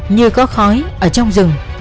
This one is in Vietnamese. như có khói ở trong rừng